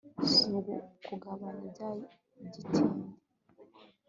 si ugukabya bya gitindi